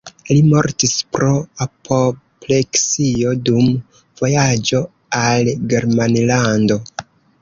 Li mortis pro apopleksio dum vojaĝo al Germanlando.